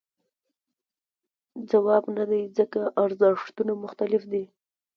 ځواب نه دی ځکه ارزښتونه مختلف دي.